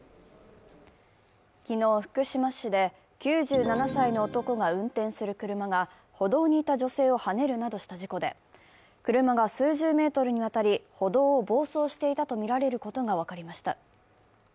昨日福島市で９７歳の男が運転する車が歩道にいた女性をはねるなどした事故で、車が数十メートルにわたり歩道を暴走していたとみられることが分かりました。